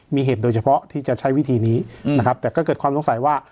มีเหตุโดยเฉพาะที่จะใช้วิธีนี้นะครับแต่ก็เกิดความสงสัยว่า